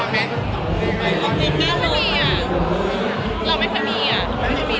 ต้องว่าคะเราไม่เคยมีอ่ะ